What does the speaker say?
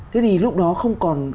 thế thì lúc đó không còn